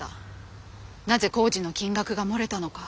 なぜ工事の金額が漏れたのか。